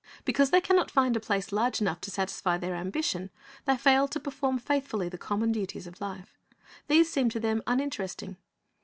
Because they can not find a place large enough to satisfy their ambition, they fail to perform faithfully the common duties of life. These seem to them uninteresting.